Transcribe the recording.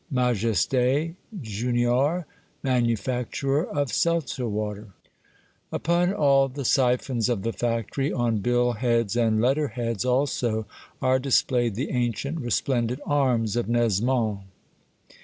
MAJESTY Junior, Manufacturer of Seltzer Water. 252 Monday Tales. Upon all the siphons of the factory, on bill heads and letter heads also, are displayed the ancient, resplendent arms of Nesmond.